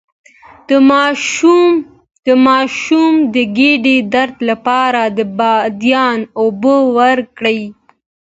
د ماشوم د ګیډې درد لپاره د بادیان اوبه ورکړئ